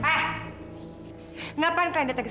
uh hah atau solving problem bisa legas